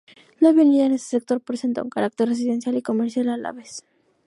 La avenida en este sector presenta un carácter residencial y comercial a la vez.